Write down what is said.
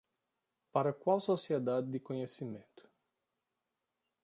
Para qual sociedade de conhecimento.